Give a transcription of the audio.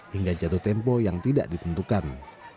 hingga jatuh tempo yang tidak ditentukan